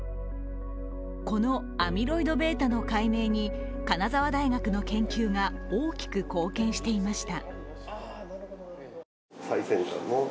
このアミロイドβの解明に金沢大学の研究が大きく貢献していました。